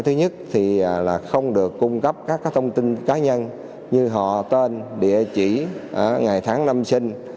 thứ nhất thì không được cung cấp các thông tin cá nhân như họ tên địa chỉ ở ngày tháng năm sinh